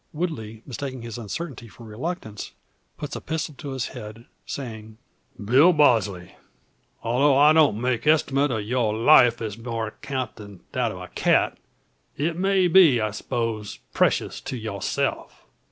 Woodley mistaking his uncertainty for reluctance, puts a pistol to his head, saying: "Bill Bosley! altho' I don't make estimate o' yur life as more account than that o' a cat, it may be, I spose, precious to yurself.